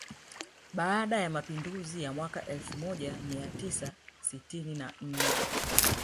Baada ya mapinduzi ya mwaka elfu moja mia tisa sitini na nne